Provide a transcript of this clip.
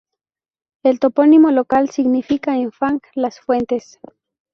El topónimo local significa en fang "Las Fuentes".